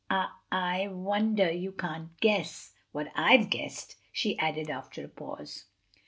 "I I wonder you can't guess what I've guessed!" she added after a pause.